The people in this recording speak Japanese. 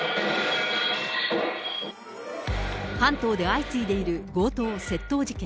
関東で相次いでいる強盗窃盗事件。